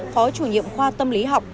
phó chủ nhiệm khoa tâm lý học